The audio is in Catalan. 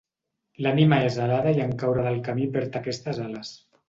L'ànima és alada i en caure del camí perd aquestes ales.